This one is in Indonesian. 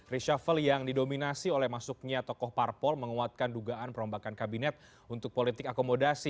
reshuffle yang didominasi oleh masuknya tokoh parpol menguatkan dugaan perombakan kabinet untuk politik akomodasi